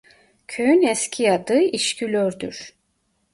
Köyün eski adı "İşkilör"'dür.